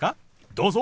どうぞ。